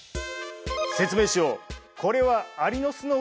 説明しよう。